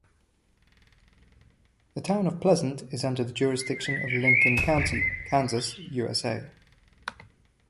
The town of Pleasent is under the jurisdiction of Lincoln County, Kansas, USA.